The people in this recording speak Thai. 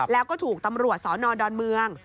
แล้วก็ถูกตำรวจสนดอนเมือง